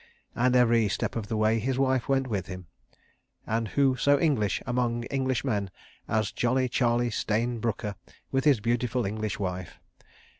And every step of the way his wife went with him—and who so English, among Englishmen, as jolly Charlie Stayne Brooker, with his beautiful English wife?